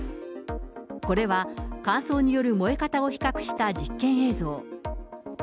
これは乾燥による燃え方を比較した実験映像。